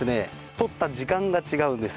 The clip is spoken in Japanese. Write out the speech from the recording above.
取った時間が違うんです。